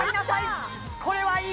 これはいい！